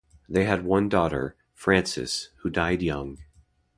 They had one daughter, Frances, who died young.